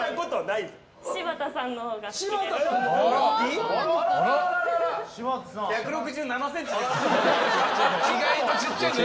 柴田さんのほうが好きです。